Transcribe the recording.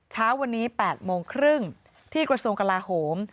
เช้าวันนี้๘โมงครึ่งที่กระทรวงกลาโหม